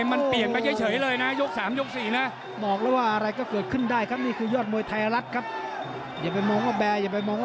อาจจะแปดแสน